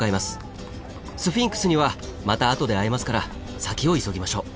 スフィンクスにはまた後で会えますから先を急ぎましょう。